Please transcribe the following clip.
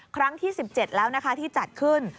ครั้งที่๑๗แล้วนะคะที่จัดขึ้น